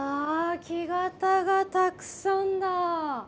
木型がたくさんだ。